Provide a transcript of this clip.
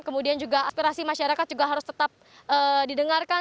kemudian juga aspirasi masyarakat juga harus tetap didengarkan